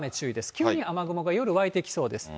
急に雨雲が夜湧いてきそうです。